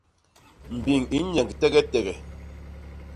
Mbiñ i nyéñg tegetege.